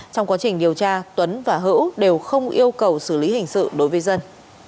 trong quá trình điều tra tuấn và hữu đều không yêu cầu xử lý hình sự đối với dân